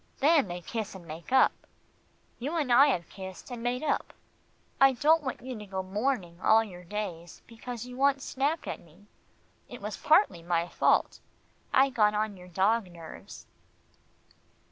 Then they kiss and make up. You and I have kissed, and made up. I don't want you to go mourning all your days, because you once snapped at me. It was partly my fault. I got on your dog nerves."